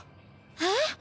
えっ？